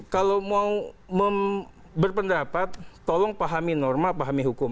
kalau mau berpendapat tolong pahami norma pahami hukum